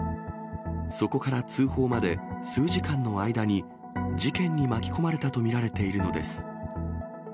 そこから通報まで数時間の間に、事件に巻き込まれたと見られているのです。